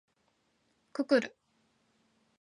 くくる